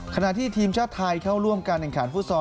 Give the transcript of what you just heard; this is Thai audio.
ขณะที่ทีมชาติไทยเข้าร่วมการแข่งขันฟุตซอล